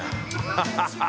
ハハハ